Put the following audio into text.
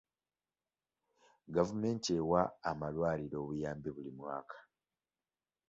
Gavumenti ewa amalwaliro obuyambi buli mwaka.